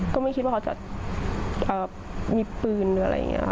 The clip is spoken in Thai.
ก็ไม่คิดว่าเขาจะมีปืนหรืออะไรอย่างนี้ค่ะ